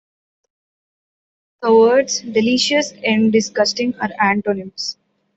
The words delicious and disgusting are antonyms.